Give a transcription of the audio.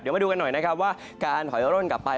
มาดูกันหน่อยนะครับว่าการถอยร่นกลับไป